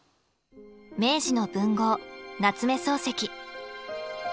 明治の文豪夏目漱石。